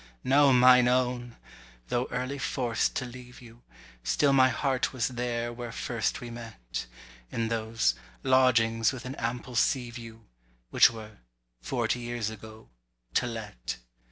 No, mine own! though early forced to leave you, Still my heart was there where first we met; In those "Lodgings with an ample sea view," Which were, forty years ago, "To Let."